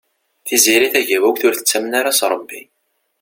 Tiziri Tagawawt ur tettamen ara s Ṛebbi.